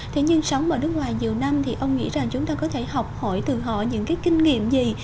thế nhưng sống ở nước ngoài nhiều năm thì ông nghĩ rằng chúng ta có thể học hỏi từ họ những cái kinh nghiệm gì